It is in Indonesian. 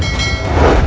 aku mau makan